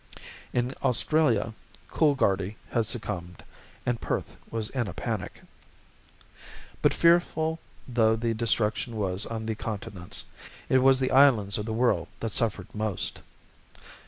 In Australia, Coolgardie had succumbed and Perth was in a panic. But fearful though the destruction was on the continents, it was the islands of the world that suffered most.